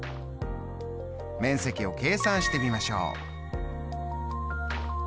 面積を計算してみましょう。